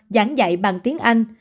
giảng dạy bằng tiếng anh